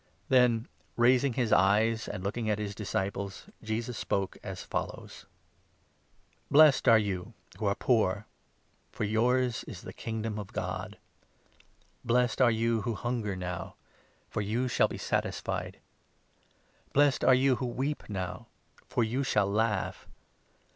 Then, 20 THE 'SERMON raising his eyes and looking at his disciples, Jesus ON THE spoke as follows : MOUNT.' « giessecj are vou who are poor, for yours is the The Kingdom of God. Happy. Blessed are you who hunger now, for you shall be 21 satisfied. Blessed are you who weep now, for you shall laugh.